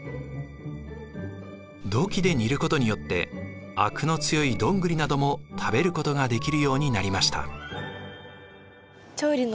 土器で煮ることによってあくの強いドングリなども食べることができるようになりました。